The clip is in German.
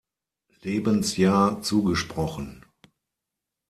Lebensjahr zugesprochen.